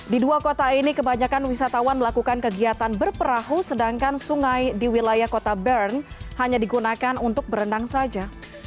di dua kota ini kebanyakan wisatawan melakukan kegiatan berperahu sedangkan sungai di wilayah kota bern hanya digunakan untuk berenang saja